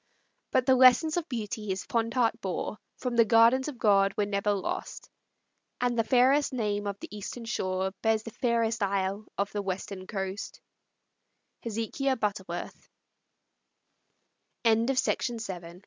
But the lessons of beauty his fond heart bore From the gardens of God were never lost; And the fairest name of the Eastern shore Bears the fairest isle of the Western coast.